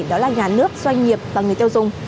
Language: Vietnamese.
đó là nhà nước doanh nghiệp và người tiêu dùng